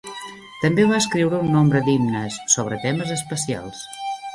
També va escriure un nombre de himnes, sobre temes especials.